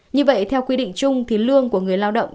như vậy theo quy định chung thì lương của người lao động